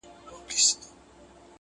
قلاګاني د بابا له ميراثونو!.